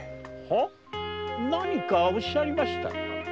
何かおっしゃりましたか？